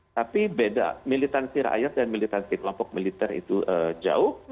tapi beda militansi rakyat dan militansi kelompok militer itu jauh